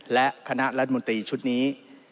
และคณะรัฐมนตรีชุดนี้